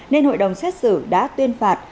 nên hội đồng xét xử đã tuyên phạt